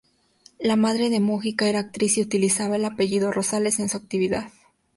La madre de Mugica era actriz y utilizaba el apellido Rosales en su actividad.